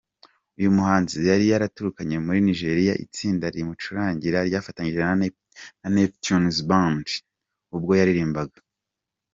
Uyu muhanzi yari yaturukanye muri Nigeria itsinda rimucurangira ryafatanyije na Neptunez Band ubwo yaririmba.